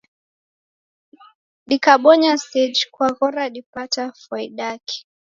Dikabonya seji kwaghora dipata fwaidaki?